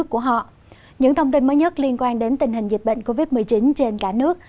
những thông tin mới nhất liên quan đến tình hình dịch bệnh covid một mươi chín trên cả nước